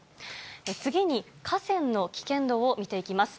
次に、河川の危険度を見ていきます。